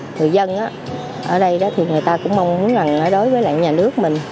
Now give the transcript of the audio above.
người dân ở đây đó thì người ta cũng mong muốn rằng đối với lại nhà nước mình